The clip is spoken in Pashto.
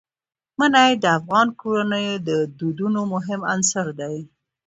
منی د افغان کورنیو د دودونو مهم عنصر دی.